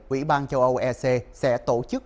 ủy ban châu âu sẽ tổ chức